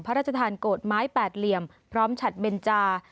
พระราชทานโกรธไม้แปดเหลี่ยมพร้อมฉัดเบนจา